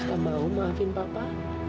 sita baru maafkan papa